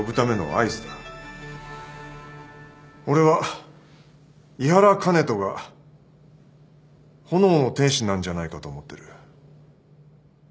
俺は井原香音人が炎の天使なんじゃないかと思ってる。